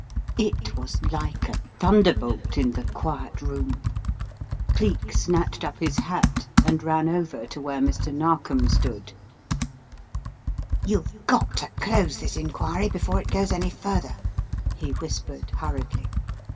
It was like a thunderbolt in the quiet room. Cleek snatched up his hat and ran over to where Mr. Nar kom stood. 228 The Riddle of the Purple Emperor "You've got to close this inquiry before it goes any further," he whispered, hurriedly.